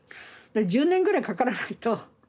１０年ぐらいかからないと。